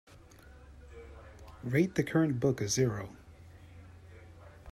Rate the current book a zero.